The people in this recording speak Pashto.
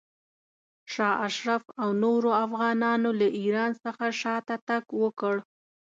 شاه اشرف او نورو افغانانو له ایران څخه شاته تګ وکړ.